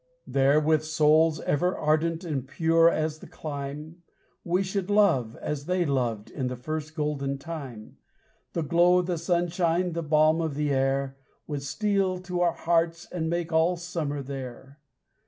There, with souls ever ardent and pure as the clime, We should love, as they loved in the first golden time; The glow of the sunshine, the balm of the air, Would steal to our hearts, and make all summer there.